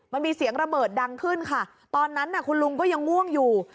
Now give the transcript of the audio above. มันมีเสียงระเบิดดังขึ้นค่ะตอนนั้นคุณลุงก็ยังง่วงอยู่